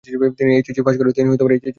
তিনি এইচএসসি পাশ করেছেন।